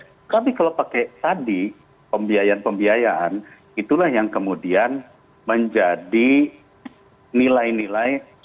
tetapi kalau pakai tadi pembiayaan pembiayaan itulah yang kemudian menjadi nilai nilai